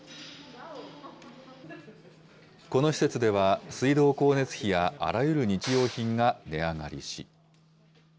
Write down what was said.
この施設では、水道光熱費やあらゆる日用品が値上がりし。